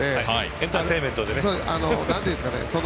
エンターテインメントで。